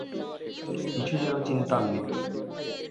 কিছু যেন চিন্তান্বিত।